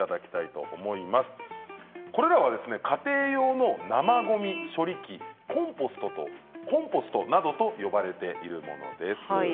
これらは家庭用の生ごみ処理機コンポストなどと呼ばれているものです。